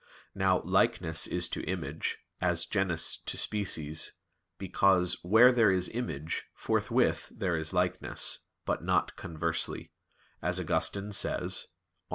Now, "likeness" is to "image" as genus to species: because, "where there is image, forthwith there is likeness, but not conversely" as Augustine says (QQ.